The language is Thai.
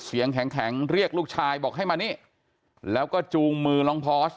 เสียงแข็งเรียกลูกชายบอกให้มานี่แล้วก็จูงมือน้องพอส